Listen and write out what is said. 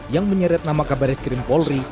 yang menyeret nama kabaris kirim polri